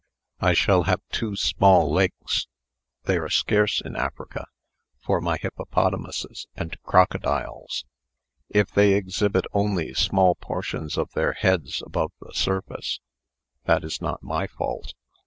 I shall have two small lakes (they are scarce in Africa) for my hippopotamuses and crocodiles. If they exhibit only small portions of their heads above the surface, that is not my fault.